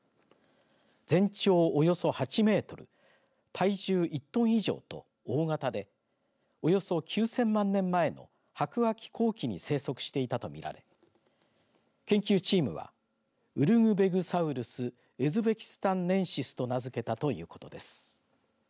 全長およそ８メートル体重１トン以上と大型でおよそ９０００万年前の白亜紀後期に生息していたとみられ研究チームはウルグベグサウルス・ウズベキスタンネンシスと名づけたということです。